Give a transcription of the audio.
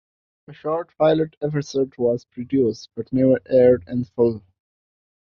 A short pilot episode was produced, but never aired in full.